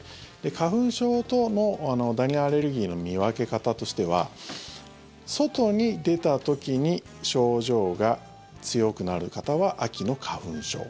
花粉症とのダニアレルギーの見分け方としては外に出た時に症状が強くなる方は秋の花粉症。